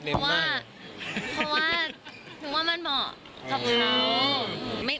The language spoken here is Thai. เพราะว่ามันเหมาะกับเรา